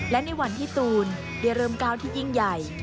และในวันที่ตูนได้เริ่มก้าวที่ยิ่งใหญ่